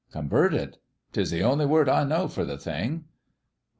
" Converted ; 'tis the only word I know for the thing."